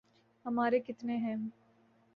ہمارے کتنے ہیں۔